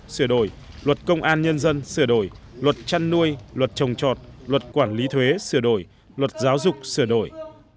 sửa đổi luật công an nhân dân sửa đổi luật chăn nuôi luật trồng trọt luật quản lý thuế sửa đổi luật giáo dục sửa đổi